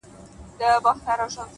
هره ناکامي د پوهې سرچینه ده!